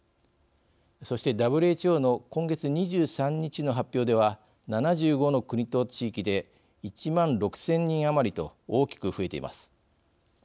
そして、ＷＨＯの今月２３日の発表では７５の国と地域で１万６０００人余りと大きく増えています。